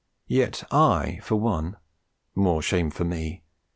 Yet I, for one, more shame for me!